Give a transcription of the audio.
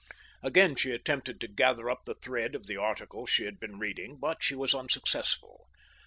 Again she attempted to gather up the thread of the article she had been reading, but she was unsuccessful.